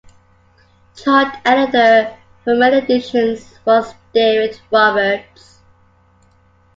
Chart editor for many editions was David Roberts.